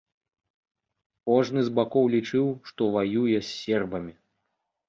Кожны з бакоў лічыў, што ваюе з сербамі.